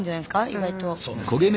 意外と。